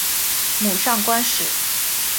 母上官氏。